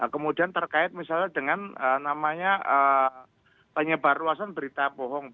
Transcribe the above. kemudian terkait misalnya dengan namanya penyebar luasan berita bohong